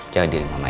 jaga diri mama ya